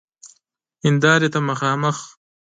هیندارې ته مخامخ